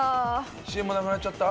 一円もなくなっちゃった？